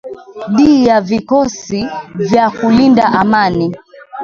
di ya vikosi vya kulinda amani